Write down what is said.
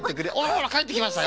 ほらかえってきましたよ！